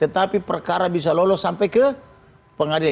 tetapi perkara bisa lolos sampai ke pengadilan